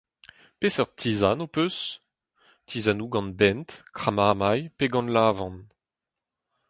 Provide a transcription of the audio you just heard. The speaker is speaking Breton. Peseurt tizan ho peus ? Tizanoù gant bent, kramamailh pe gant lavand.